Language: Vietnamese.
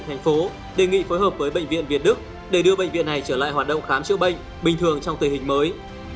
thành phố đề nghị phối hợp với bệnh viện việt đức để đưa bệnh viện này trở lại hoạt động khám chữa bệnh bình thường trong tình hình mới